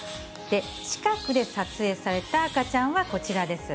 近くで撮影された赤ちゃんはこちらです。